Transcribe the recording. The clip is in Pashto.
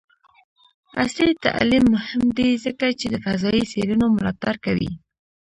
عصري تعلیم مهم دی ځکه چې د فضايي څیړنو ملاتړ کوي.